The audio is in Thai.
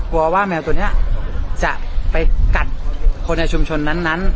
กลัวว่าแมวตัวเนี้ยจะไปกัดคนในชุมชนนั้นนั้น